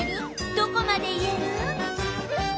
どこまで言える？